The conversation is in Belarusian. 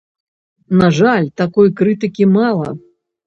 На жаль, такой крытыкі мала.